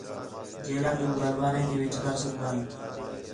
جیلا تو ڳالھ واریں تے وِچ کر سڳدا ہیں